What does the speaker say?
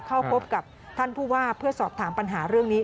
เข้าพบกับท่านผู้ว่าเพื่อสอบถามปัญหาเรื่องนี้